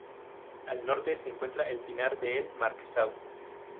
Al norte se encuentra el pinar de El Marquesado.